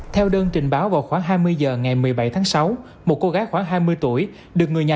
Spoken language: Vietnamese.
theo đơn trình báo vào khoảng hai mươi h ngày một mươi bảy tháng sáu một cô gái khoảng hai mươi tuổi được người nhà